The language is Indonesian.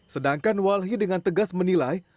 sedangkan walhi dengan tegas menilai